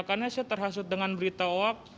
ya karena saya terhasut dengan berita hoax